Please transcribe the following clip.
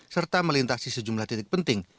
serta melintasi sejumlah titik penting